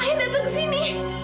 ayah datang kesini